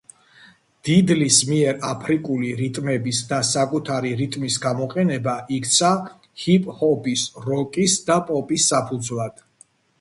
დიდლის მიერ აფრიკული რიტმების და საკუთარი რიტმის გამოყენება იქცა ჰიპ-ჰოპის, როკის და პოპის საფუძვლად.